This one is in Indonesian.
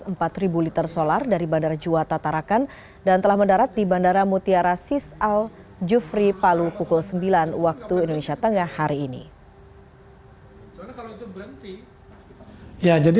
bbm donggala telah menerima satu liter solar dari bandara juwata tarakan dan telah mendarat di bandara mutiara sisal jufri palu pukul sembilan waktu indonesia tengah hari ini